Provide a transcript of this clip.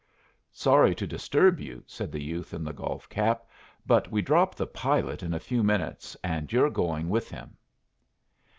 "Sorry to disturb you," said the youth in the golf cap, "but we drop the pilot in a few minutes and you're going with him."